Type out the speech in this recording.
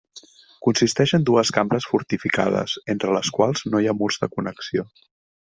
Consisteix en dues cambres fortificades entre les quals no hi ha murs de connexió.